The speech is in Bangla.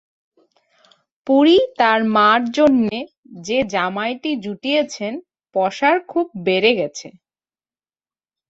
পুরি তাঁর মার জন্যে যে জামাইটি জুটিয়েছেন, পসার খুব বেড়ে গেছে!